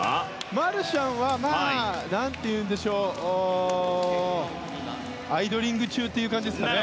マルシャンはアイドリング中という感じです。